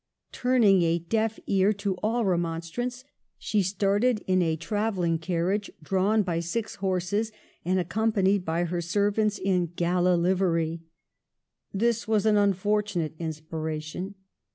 Turning a deaf ear to all remonstrance, she started in a travelling carriage drawn by six horses, and accompanied by her servants in gala livery. This was an unfortunate inspiration.